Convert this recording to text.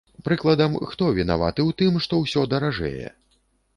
Прыкладам, хто вінаваты ў тым, што ўсё даражэе?